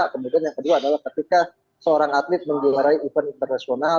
kemudian yang kedua adalah ketika seorang atlet menjuarai event internasional